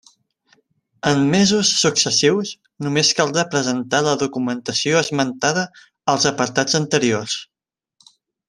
En mesos successius només caldrà presentar la documentació esmentada als apartats anteriors.